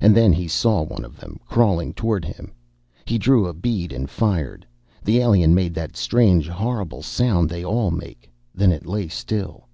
And then he saw one of them crawling toward him. He drew a bead and fired. The alien made that strange horrible sound they all make, then lay still.